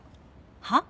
はっ？